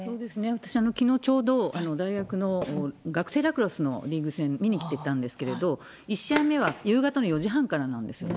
私はきのう、ちょうど大学の学生ラクロスのリーグ戦、見に行ってたんですけれども、１試合目は夕方の４時半からなんですよ。